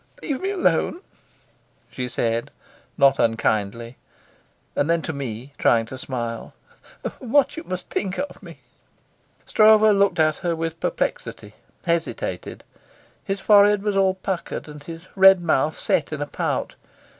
"Leave me alone," she said, not unkindly; and then to me, trying to smile: "What must you think of me?" Stroeve, looking at her with perplexity, hesitated. His forehead was all puckered, and his red mouth set in a pout.